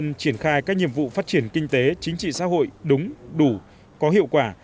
cần triển khai các nhiệm vụ phát triển kinh tế chính trị xã hội đúng đủ có hiệu quả